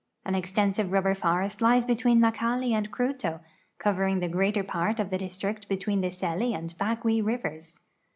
An extensive rub ber forest lies between Makali and Kruto, covering the greater part of the district l)etween the Scli and l^.ay; wee rivers.